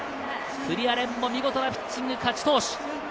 九里亜蓮も見事なピッチング勝ち投手。